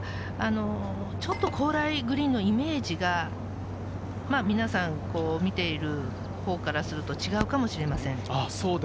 高麗グリーンのイメージが皆さん見ているほうからすると違うかもしれません。